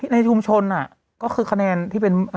ในชุมชนก็คือคะแนนที่เป็น